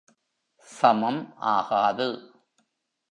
சமம் ஆகாது